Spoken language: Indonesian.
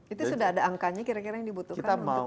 itu sudah ada angkanya kira kira yang dibutuhkan untuk